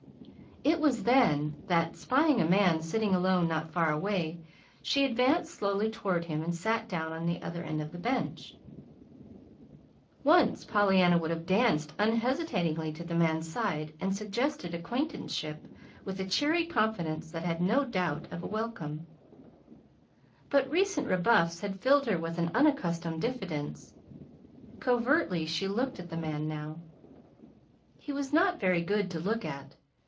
It was then that, spying a man sitting alone not far away, she advanced slowly toward him and sat down on the other end of the bench. Once Pollyanna would have danced unhesitatingly to the man's side and suggested acquaintanceship with a cheery confidence that had no doubt of a welcome; but recent rebuffs had filled her with unaccustomed diffidence. Covertly she looked at the man now. He was not very good to look at.